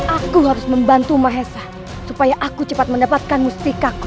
aku harus membantu mahesa supaya aku cepat mendapatkan mustikaku